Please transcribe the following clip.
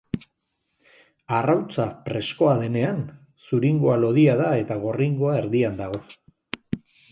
Arrautza freskoa denean, zuringoa lodia da eta gorringoa erdian dago.